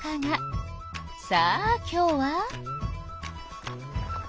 さあ今日は。